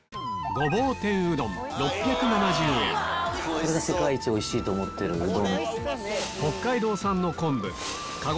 これが世界一おいしいと思ってるうどん。